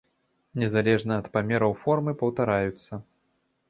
Незалежна ад памераў формы паўтараюцца.